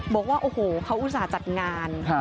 บอกว่าโอ้โหเขาอุตส่าห์จัดงาน